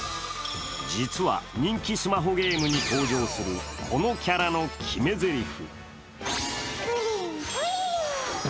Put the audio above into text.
実は、人気スマホゲームに登場するこのキャラの決めぜりふ。